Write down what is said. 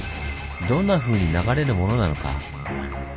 どんなふうに流れるものなのか？